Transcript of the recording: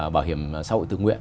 bảo hiểm xã hội tự nguyện